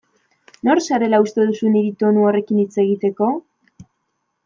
Nor zarela uste duzu niri tonu horrekin hitz egiteko?